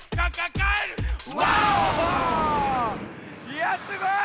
いやすごい！